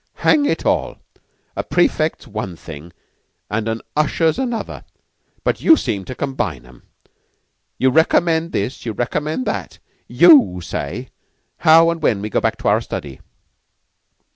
"Hang it all! A prefect's one thing and an usher's another; but you seem to combine 'em. You recommend this you recommend that! You say how and when we go back to our study!"